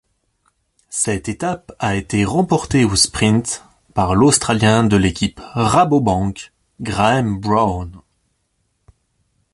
Cette étape a été remportée au sprint par l'australien de l'équipe Rabobank, Graeme Brown.